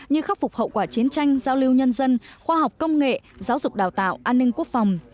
như khắc phục hậu quả chiến tranh giao lưu nhân dân khoa học công nghệ giáo dục đào tạo an ninh quốc phòng